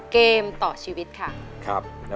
เกมต่อชีวิตค่ะ